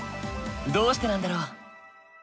どうしてなんだろう？